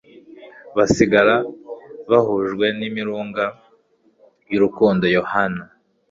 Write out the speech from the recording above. basigara bahujwe n imirunga y urukundo yohana